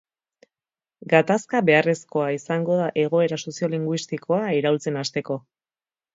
Gatazka beharrezkoa izango da egoera soziolinguistikoa iraultzen hasteko.